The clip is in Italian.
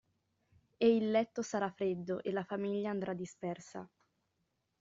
E il letto sarà freddo, e la famiglia andrà dispersa.